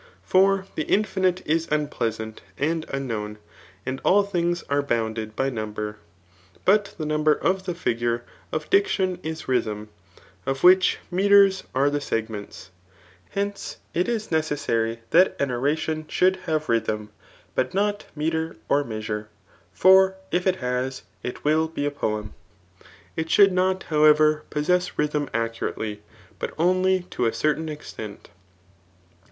For the infinite is unpleasant and unknown; «id all things are bounded by number. But the number of the figui^e of diction is rythm, of which metres are the segments* Hence, it is necessary that an oration should hsnre rythm, but not metre or measure ; for if it ha% it trill bi» a poefti. It skHild n<>C9 however, possess ryfhm sKurately, but oHljr to a cettaih extent.